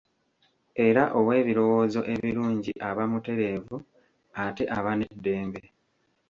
Era ow'ebirowoozo ebirungi aba mutereevu, ate aba n'eddembe.